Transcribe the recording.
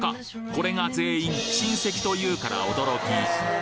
これが全員親戚というから驚き！